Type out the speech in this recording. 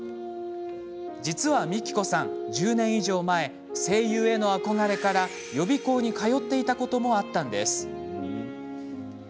実はみきこさん、１０年以上前声優への憧れから予備校に通っていたこともあったんです。